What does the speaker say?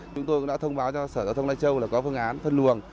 chúng tôi cũng đã thông báo cho sở công lai châu là có phương án phân luồng